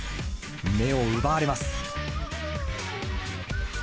目を奪われます。